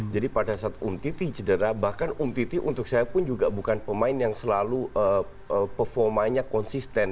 jadi pada saat um titi cedera bahkan um titi untuk saya pun juga bukan pemain yang selalu performanya konsisten